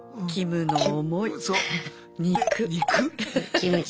キムチ。